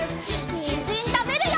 にんじんたべるよ！